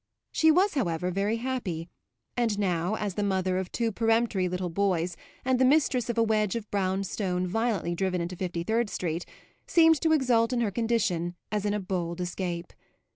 She was, however, very happy, and now, as the mother of two peremptory little boys and the mistress of a wedge of brown stone violently driven into Fifty third Street, seemed to exult in her condition as in a bold escape.